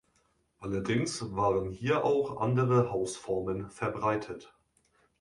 Allerdings waren hier auch andere Hausformen verbreitet.